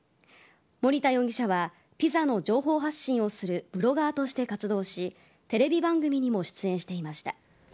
森田容疑者はピザの情報発信をするブロガーとして活動しテレビ番組にも出演していました。